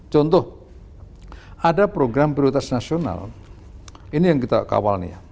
contoh ada program prioritas nasional ini yang kita kawal nih ya